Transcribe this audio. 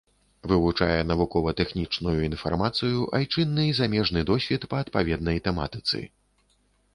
Вывучае навукова-тэхнічную інфармацыю, айчынны і замежны досвед па адпаведнай тэматыцы.